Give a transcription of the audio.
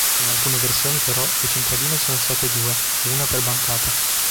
In alcune versioni, però, le centraline sono state due, una per bancata.